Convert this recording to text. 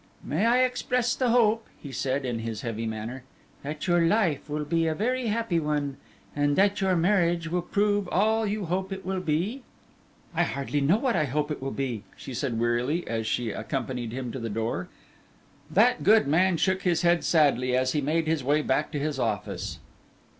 "May I express the hope," he said, in his heavy manner, "that your life will be a very happy one, and that your marriage will prove all you hope it will be?" "I hardly know what I hope it will be," she said wearily, as she accompanied him to the door. That good man shook his head sadly as he made his way back to his office.